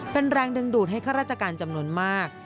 เป็นแรงดึงดูดให้ข้าราชการจำนวนมาก